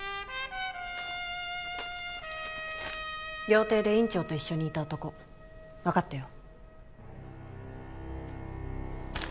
料亭で院長と一緒にいた男わかったよ。